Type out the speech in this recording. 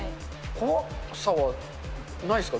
怖さはないですか？